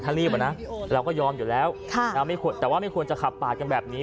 ถ้ารีบอ่ะนะเราก็ยอมอยู่แล้วแต่ว่าไม่ควรจะขับปาดกันแบบนี้